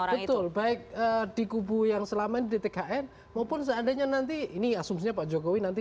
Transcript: orang itu baik dikubur yang selama di tkn maupun seandainya nanti ini asumsinya pak jokowi nanti